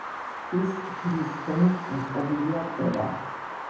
ქვის ჯვრის ქვემოთ მოწყობილია კერა.